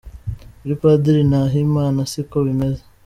Kuri Padiri Nahimana si ko bimeze.